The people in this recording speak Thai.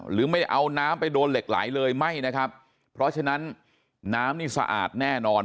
หรือไม่เอาน้ำไปโดนเหล็กไหลเลยไม่นะครับน้ำนี้สะอาดแน่นอน